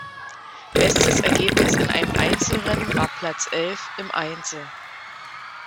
Bestes Ergebnis in einem Einzelrennen war Platz elf im Einzel.